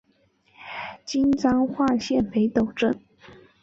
今彰化县北斗镇。